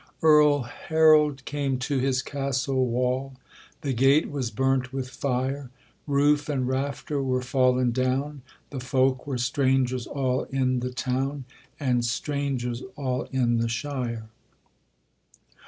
Earl Harold came to his castle wall; The gate was burnt with fire; Roof and rafter were fallen down, The folk were strangers all in the town, And strangers all in the shire.